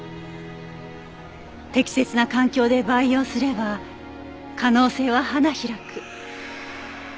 適切な環境で培養すれば可能性は花開く。